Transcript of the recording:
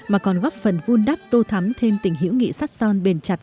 mà còn góp phần vun đắp tô thắm thêm tình hữu nghị sát son bền chặt